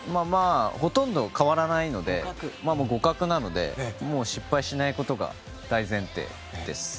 ほとんど変わらないので互角なので失敗しないことが大前提です。